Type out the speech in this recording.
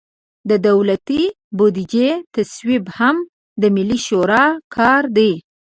د دولتي بودیجې تصویب هم د ملي شورا کار دی.